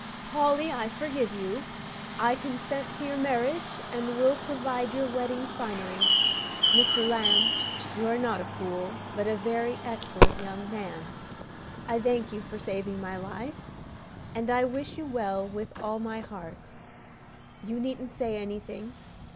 "Polly, I forgive you; I consent to your marriage, and will provide your wedding finery. Mr. Lamb, you are not a fool, but a very excellent young man. I thank you for saving my life, and I wish you well with all my heart. You needn't say anything.